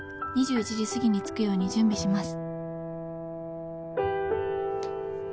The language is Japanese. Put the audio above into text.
２１時過ぎに着くように準備します！」。